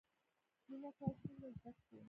مینه کول څنګه زده کړو؟